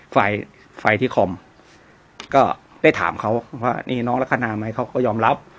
ไฟไฟที่คอมก็ได้ถามเขาว่านี่น้องลักษณะไหมเขาก็ยอมรับ